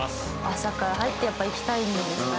朝から入ってやっぱ行きたいんですかね？